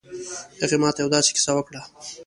هغې ما ته یو ه داسې کیسه وکړه